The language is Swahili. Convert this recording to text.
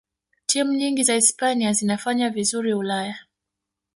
timu nyingi za hispania zinafanya vizuri ulaya